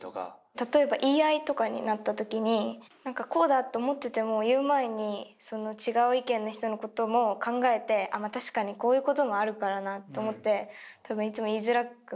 例えば言い合いとかになった時に何かこうだって思ってても言う前に違う意見の人のことも考えて確かにこういうこともあるからなと思って多分いつも言いづらくなっちゃう。